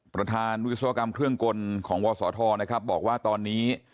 ประธานวิศวกรรมเครื่องกลของวศธนะครับบอกว่าตอนนี้